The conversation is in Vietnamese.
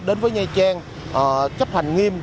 đến với nha trang chấp hành nghiêm